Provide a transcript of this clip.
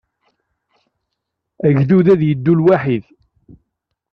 Agdud ad yeddu lwaḥid.